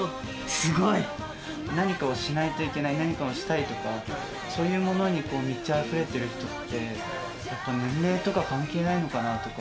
すごい！何かをしないといけない、何かをしたいとか、そういうものに満ちあふれてる人って、やっぱり年齢とか関係ないのかなとか。